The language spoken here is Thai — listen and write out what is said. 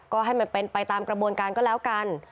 ก็ให้มันเป็นไปตามกระบวนการก็แล้วกัน